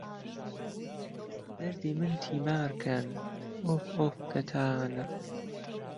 دهردی من تیمار کهن، ئۆف ئۆف کهتانه